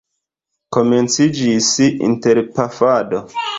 Komenciĝis interpafado.